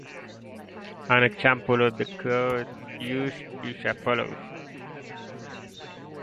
An example of the code used is as follows.